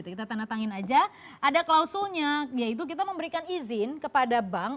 kita tandatangin aja ada klausulnya yaitu kita memberikan izin kepada bank